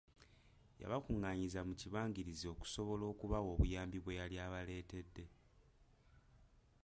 Yabakungaanyiriza mu kibangirizi okusobola okubawa obuyambi bwe yali abaleetedde.